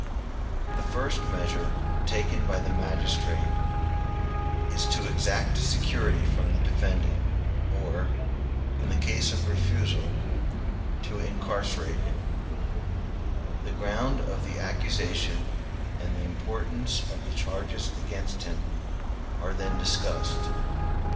The first measure taken by the magistrate is to exact security from the defendant, or, in case of refusal, to incarcerate him: the ground of the accusation and the importance of the charges against him are then discussed.